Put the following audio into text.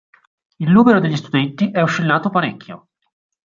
Il numero degli studenti è oscillato parecchio.